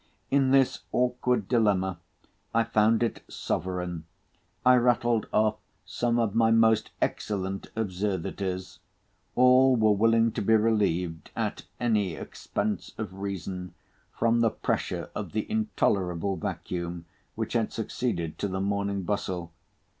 In this awkward dilemma I found it sovereign. I rattled off some of my most excellent absurdities. All were willing to be relieved, at any expense of reason, from the pressure of the intolerable vacuum which had succeeded to the morning bustle.